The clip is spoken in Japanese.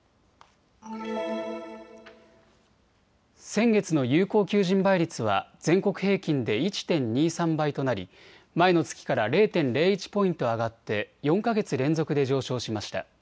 先月の有効求人倍率は全国平均で１．２３倍となり前の月から０．０１ポイント上がって４か月連続で上昇しました。